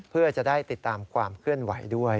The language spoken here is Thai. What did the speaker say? เพื่อจะได้ติดตามความเคลื่อนไหวด้วย